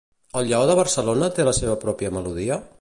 El Lleó de Barcelona té la seva pròpia melodia?